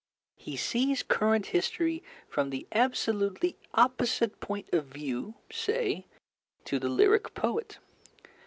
He sees current history from the absolutely opposite point of view, say, to the lyric poet.